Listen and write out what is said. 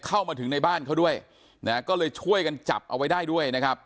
เข้ามาถึงในบ้านเขาด้วยนะก็เลยช่วยกันจับเอาไว้ได้ด้วยนะครับ